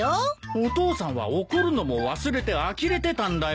お父さんは怒るのも忘れてあきれてたんだよ。